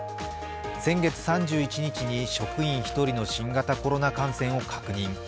先月３１日に職員１人の新型コロナ感染を確認。